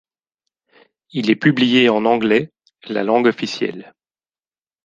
Il est publié en anglais, la langue officielle.